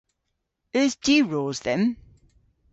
Eus diwros dhymm?